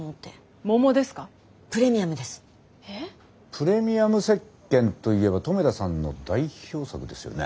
プレミアム石鹸といえば留田さんの代表作ですよね。